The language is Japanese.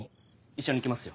一緒に行きますよ。